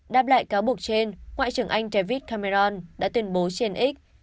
đáp lại cáo buộc trên ngoại trưởng anh david cameron đã tuyên bố trên x